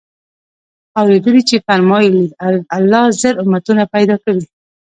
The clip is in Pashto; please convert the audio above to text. اورېدلي چي فرمايل ئې: الله زر امتونه پيدا كړي